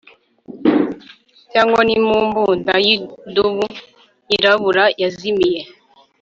Cyangwa nimbunda yidubu yirabura yazimiye